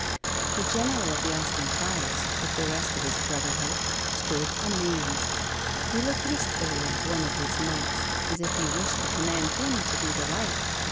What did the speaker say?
The general of the Austin friars, with the rest of his brotherhood, stood amazed; he looked wistfully on one of his monks, as if he wished to command him to do the like.